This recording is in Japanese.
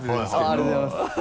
ありがとうございます。